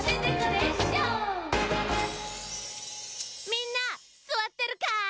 みんなすわってるかい！